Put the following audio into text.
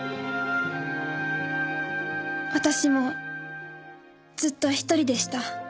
私もずっと一人でした。